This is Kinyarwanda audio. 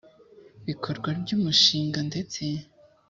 bikorwa ry umushinga ndetse